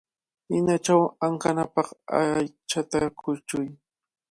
Ninachaw ankanapaq aychata kuchuy.